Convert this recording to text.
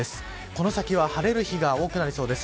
この先は晴れる日が多くなりそうです。